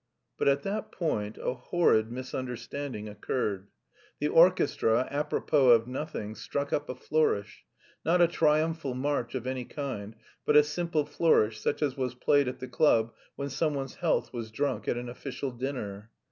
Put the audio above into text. But at that point a horrid misunderstanding occurred; the orchestra, apropos of nothing, struck up a flourish, not a triumphal march of any kind, but a simple flourish such as was played at the club when some one's health was drunk at an official dinner.